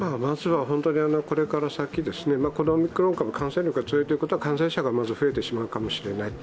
これから先、このオミクロン株、感染力が強いということは感染者が増えてしまうかもしれない。